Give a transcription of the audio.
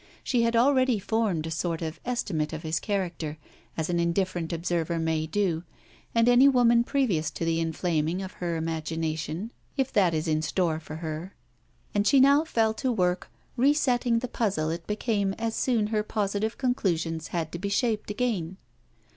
She had already formed a sort of estimate of his character, as an indifferent observer may do, and any woman previous to the inflaming of her imagination, if that is in store for her; and she now fell to work resetting the puzzle it became as soon her positive conclusions had to be shaped again.